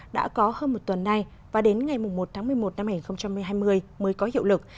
đã có hơn một tuần nay và đến ngày một tháng một mươi một năm hai nghìn hai mươi mới có hiệu lực